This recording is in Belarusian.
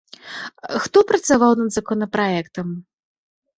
Хто працаваў над законапраектам?